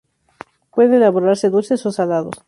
Pueden elaborarse dulces o salados.